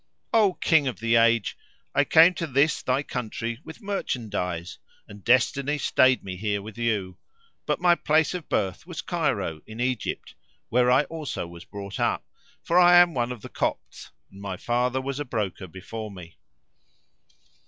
O King of the age, I came to this thy country with merchandise and Destiny stayed me here with you: but my place of birth was Cairo, in Egypt, where I also was brought up, for I am one of the Copts and my father was a broker before me.